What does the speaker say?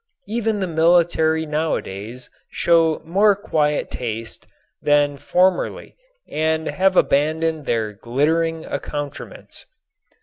Even the military nowadays show more quiet taste than formerly and have abandoned their glittering accoutrements.